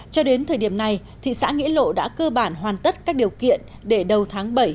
cho đến thời điểm này thị xã nghĩa lộ đã cơ bản hoàn tất các điều kiện để đầu tháng bảy